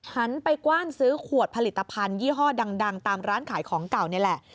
หันไปกว้านซื้อขวดผลิตภัณฑ์ยี่ห้อดังตามร้านขายของเก่านี่แหละ